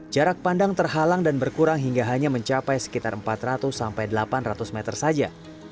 jarak pandang terhalang dan berkurang hingga hanya mencapai sekitar empat ratus sampai delapan ratus meter saja